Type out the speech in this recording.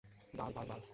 বাল বাল বাল।